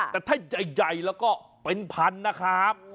แต่ถ้าใหญ่แล้วก็เป็นพันนะครับ